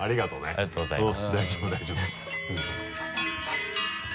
ありがとうございます。